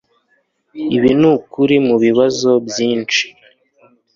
Ibi nukuri mubibazo byinshi.